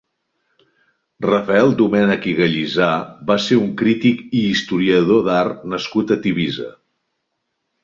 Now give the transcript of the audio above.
Rafael Domènech i Gallissà va ser un crític i historiador d'art nascut a Tivissa.